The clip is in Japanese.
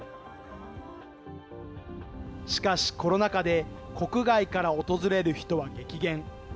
しかしコロナ禍で、国外から訪れる人は激減。